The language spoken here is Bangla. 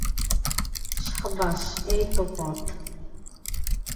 সাবাস্, এই তো পথ।